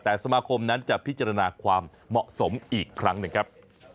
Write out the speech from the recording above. แต่สมาคมนั้นจะพิจารณาความเหมาะสมอีกครั้งหนึ่งครับ